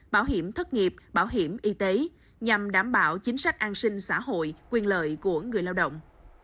bảo hiểm thất nghiệp bảo hiểm y tế nhằm đảm bảo chính sách an sinh xã hội quyền lợi của người lao động